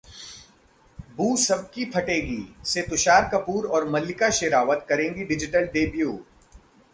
'बू सबकी फटेगी' से तुषार कपूर और मल्लिका शेरावत करेंगे डिजिटल डेब्यू